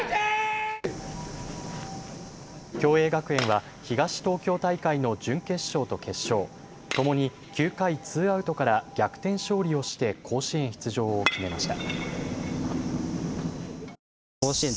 共栄学園は東東京大会の準決勝と決勝、ともに９回ツーアウトから逆転勝利をして甲子園出場を決めました。